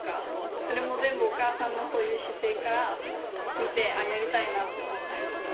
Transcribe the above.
それも全部お母さんのそういう姿勢から見て、ああなりたいなって思ったりとか。